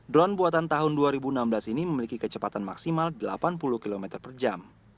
drone buatan tahun dua ribu enam belas ini memiliki kecepatan maksimal delapan puluh km per jam